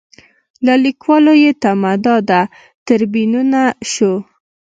له لیکوالو یې تمه دا ده تریبیونونه شو.